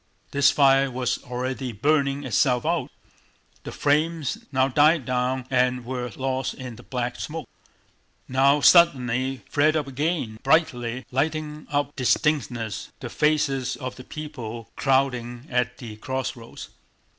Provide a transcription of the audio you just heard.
This fire was already burning itself out. The flames now died down and were lost in the black smoke, now suddenly flared up again brightly, lighting up with strange distinctness the faces of the people crowding at the crossroads.